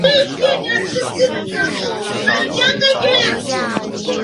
在府中市分梅町的新田川分梅公园有分倍河原古战场碑。